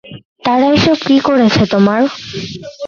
তারা এসব কি করেছে তোমার?